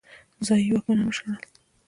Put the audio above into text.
ځايي واکمنان وشړل.